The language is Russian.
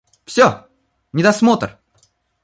Всё недосмотр!